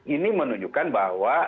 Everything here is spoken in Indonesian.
ini menunjukkan bahwa